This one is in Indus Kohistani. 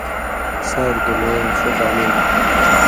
ساریۡ دُنَیں یاں ݜُو قانُون تُھو